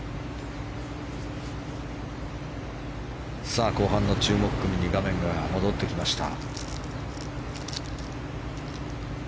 さあ、後半の注目組に画面が戻ってきました。